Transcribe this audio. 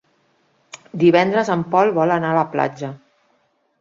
Divendres en Pol vol anar a la platja.